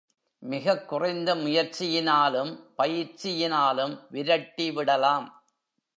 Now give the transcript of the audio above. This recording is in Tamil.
மிகக் குறைந்த முயற்சியினாலும் பயிற்சியினாலும் விரட்டி விடலாம்.